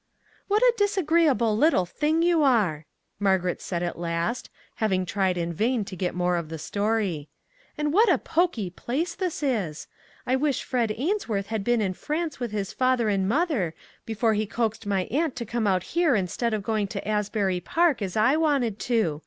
" What a disagreeable little thing you are !" Margaret said at last, having tried in vain to get any more of the story ;" and what a pokey place this is ! I wish Fred Ainsworth had been in France with his father and mother before he coaxed my aunt to come out here instead of going to Asbury Park, as I wanted to.